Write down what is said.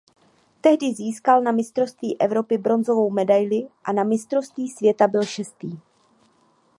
Tehdy získal na Mistrovství Evropy bronzovou medaili a na Mistrovství světa byl šestý.